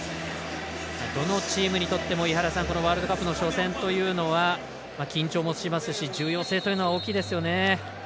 どのチームにとってもワールドカップの初戦というのは緊張もしますし重要性は大きいですよね。